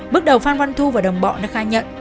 bước đầu phan văn thu và đồng bọn đã khai nhận